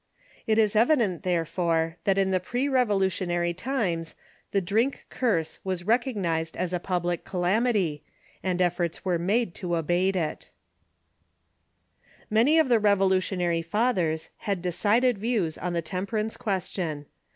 It is evident, there fore, that in the pre Revolutionary times the drink curse was recognized as a public calamity, and efforts were made to abate it. 596 TFIE CHURCH IN THE UNITED STATES Many of the Revolutionarj^ Fathers had decided views on the temperance question.